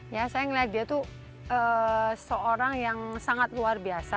ya saya melihat dia tuh seorang yang sangat luar biasa